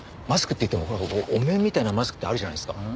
マスクっていってもほらお面みたいなマスクってあるじゃないですか。